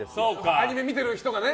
アニメ見てる人がね。